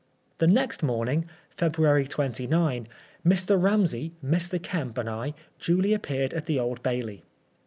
The next morning, February 29, Mr. Ramsey, Mr. Kemp and I duly appeared at the Old Bailey.